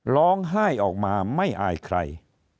ร้องไห้ออกมาไม่อายใคร